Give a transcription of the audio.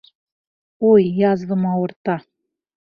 Уй, язвам ауырта!